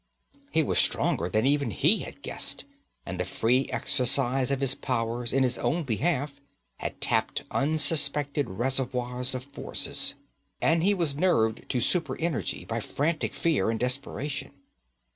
He was stronger than even he had guessed, and the free exercise of his powers in his own behalf had tapped unsuspected reservoirs of forces. And he was nerved to super energy by frantic fear and desperation.